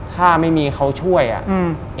ถ้าไม่มีเขาช่วยอ่ะอืม